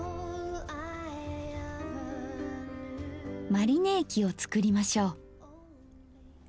マリネ液を作りましょう。